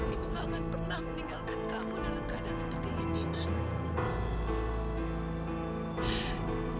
ibu gak akan pernah meninggalkan kamu dalam keadaan seperti ini